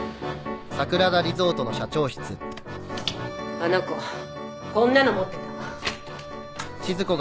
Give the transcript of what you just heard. あの子こんなの持ってた。